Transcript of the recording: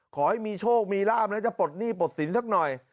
ขอให้มีโชคมีลาบแล้วจะปลดหนี้ปลดสินสักหน่อย